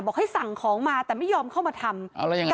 บอกให้สั่งของมาแต่ไม่ยอมเข้ามาทำเอาแล้วยังไง